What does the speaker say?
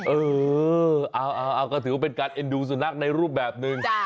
เออเอาก็ถือว่าเป็นการเอ็นดูสุนัขในรูปแบบหนึ่ง